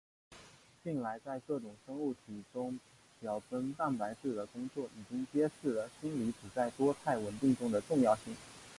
近来在各种生物体中表征蛋白质的工作已经揭示了锌离子在多肽稳定中的重要性。